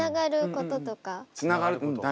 つながることとか？